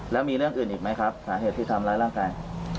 แล้วมีเรื่องอื่นอีกไหมครับสาเหตุที่ทำร้ายร่างกาย